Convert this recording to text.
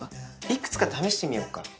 いくつか試してみようか。